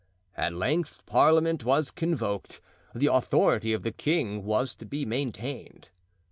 At length parliament was convoked; the authority of the king was to be maintained.